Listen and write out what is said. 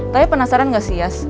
tapi penasaran gak sih ya